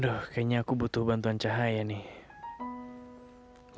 aduh kayaknya aku butuh bantuan cahaya nih